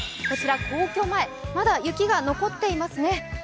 こちらは皇居前、まだ雪が残っていますね。